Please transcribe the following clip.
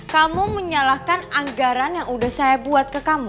kamu menyalahkan anggaran yang udah saya buat ke kamu